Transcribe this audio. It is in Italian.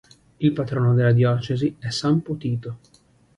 Il patrono della diocesi è san Potito.